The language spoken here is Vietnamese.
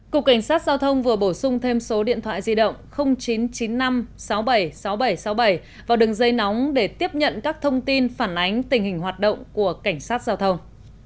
cục cảnh sát giao thông vừa bổ sung thêm số điện thoại di động chín trăm chín mươi năm sáu mươi bảy sáu nghìn bảy trăm sáu mươi bảy vào đường dây nóng để tiếp nhận các thông tin phản ánh tình hình hoạt động của cảnh sát giao thông